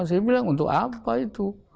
saya bilang untuk apa itu